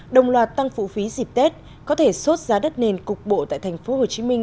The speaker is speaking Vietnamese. đồng loạt tăng phụ phí dịp tết có thể sốt giá đất nền cục bộ tại thành phố hồ chí minh